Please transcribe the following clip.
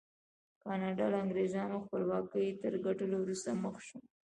ګانا له انګرېزانو خپلواکۍ تر ګټلو وروسته مخ شو.